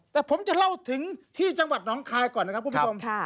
แต่ผมจะเล่าถึงที่จังหวัดน้องคายก่อนนะครับคุณผู้ชม